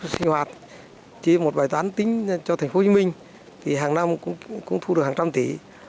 sinh hoạt chỉ là một bài tán tính cho thành phố hồ chí minh thì hàng năm cũng thu được hàng trăm tỷ